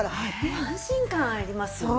安心感ありますよね。